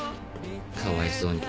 かわいそうに。